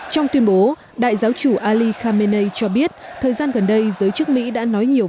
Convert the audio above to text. trong tuyên bố đại giáo chủ ali khamenei cho biết thời gian gần đây giới chức mỹ đã nói nhiều